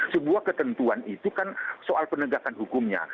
sebuah ketentuan itu kan soal penegakan hukumnya